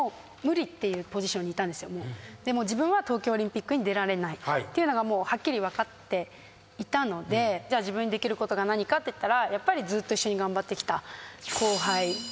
自分は東京オリンピックに出られないっていうのがもうはっきり分かっていたのでじゃあ自分にできることが何かっていったらやっぱり。